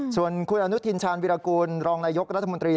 ส่วนคุณอนุทินชาญวิรากูลรองนายกรัฐมนตรี